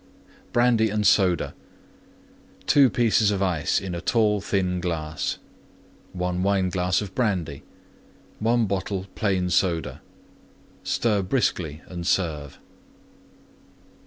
BRANDY AND SODA 2 pieces of Ice in tall, thin glass. 1 Wineglass Brandy. 1 bottle plain Soda. Stir briskly and serve.